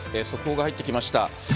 速報が入ってきました。